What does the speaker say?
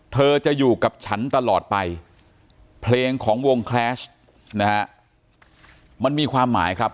เธอจะอยู่กับฉันตลอดไปเพลงของวงแคลชนะฮะมันมีความหมายครับ